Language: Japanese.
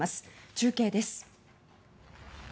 中継です。